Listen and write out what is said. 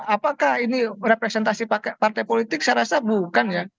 apakah ini representasi partai politik saya rasa bukan ya